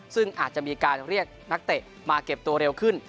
ซึ่งอาจจะมีการเรียกนักเตะมาเก็บตัวเร็วขึ้น